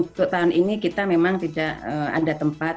jadi untuk tahun ini kita memang tidak ada tempat